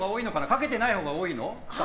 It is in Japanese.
かけてないほうが多いの？